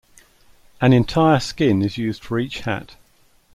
An entire skin is used for each hat.